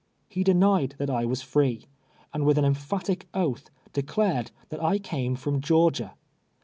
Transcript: He denied that I was free, and with an em phatic oath, declared that I came from Georgia.